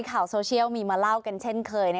ข่าวโซเชียลมีมาเล่ากันเช่นเคย